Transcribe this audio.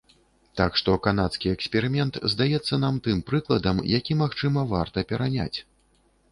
Так што канадскі эксперымент здаецца нам тым прыкладам, які, магчыма, варта пераняць.